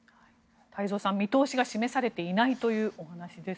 太蔵さん、見通しが示されていないというお話です。